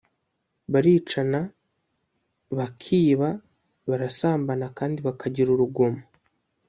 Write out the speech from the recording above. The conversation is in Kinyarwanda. baricana bakiba, barasambana kandi bakagira urugomo;